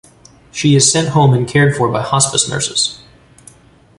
She is sent home and cared for by hospice nurses.